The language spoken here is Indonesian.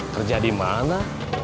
kerja di mana